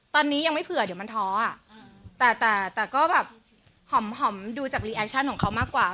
ตอนนี้ยังไม่เผื่อเดี๋ยวมันท้ออ่ะแต่แต่ก็แบบหอมดูจากรีแอคชั่นของเขามากกว่า